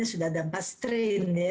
ini sudah ada empat strain ya